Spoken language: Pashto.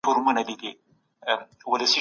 سم نیت فشار نه راوړي.